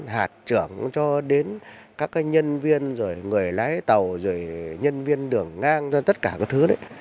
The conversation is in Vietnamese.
hạt trưởng cho đến các cái nhân viên rồi người lái tàu rồi nhân viên đường ngang rồi tất cả các thứ đấy